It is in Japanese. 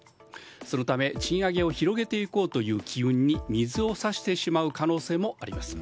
そのため賃上げを広げていこうという機運に水を差してしまう可能性もあります。